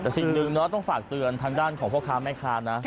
แต่สิ่งหนึ่งต้องฝากเตือนทางด้านของพ่อค้าแม่ค้านะ